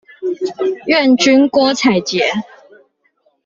願君郭采潔